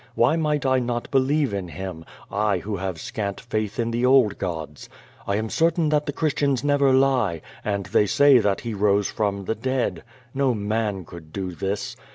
Why might I not believe in Him, I who have scant faith in the old gods? T am certain that the Christians never lie, and they say that He rose from the dead. No man could do this.